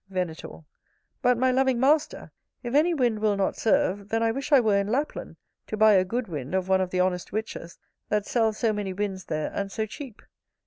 Venator. But, my loving master, if any wind will not serve, then I wish I were in Lapland, to buy a good wind of one of the honest witches, that sell so many winds there, and so cheap.